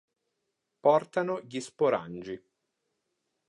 Portano gli sporangi.